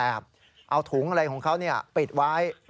เอาถุงอะไรของเขาปิดไว้